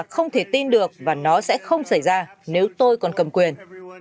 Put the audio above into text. không thể tin được và nó sẽ không xảy ra nếu tôi còn cầm quyền